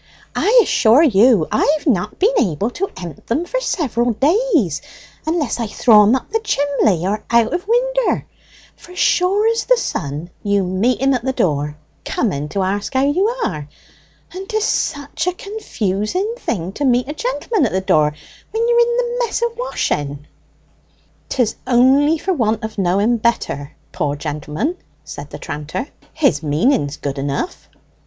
I assure you I've not been able to empt them for several days, unless I throw 'em up the chimley or out of winder; for as sure as the sun you meet him at the door, coming to ask how you are, and 'tis such a confusing thing to meet a gentleman at the door when ye are in the mess o' washing." "'Tis only for want of knowing better, poor gentleman," said the tranter. "His meaning's good enough.